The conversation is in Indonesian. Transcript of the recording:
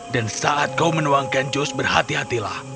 dan saat kau menuangkan jus berhati hatilah